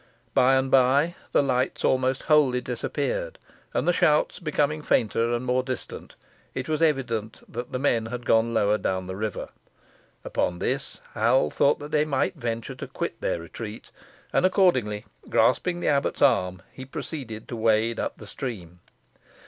By and by the lights almost wholly disappeared, and the shouts becoming fainter and more distant, it was evident that the men had gone lower down the river. Upon this, Hal thought they might venture to quit their retreat, and accordingly, grasping the abbot's arm, he proceeded to wade up the stream.